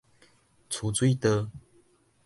趨水道